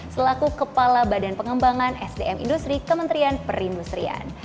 selaku kepala badan pengembangan sdm industri kementerian perindustrian